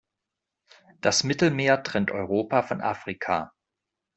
Das Mittelmeer trennt Europa von Afrika.